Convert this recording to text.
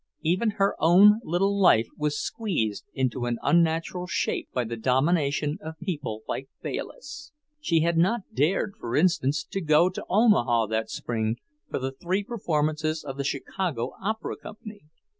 Even her own little life was squeezed into an unnatural shape by the domination of people like Bayliss. She had not dared, for instance, to go to Omaha that spring for the three performances of the Chicago Opera Company.